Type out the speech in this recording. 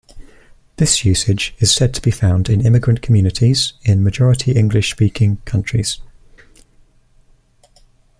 This usage is said to be found in immigrant communities in majority-English-speaking countries.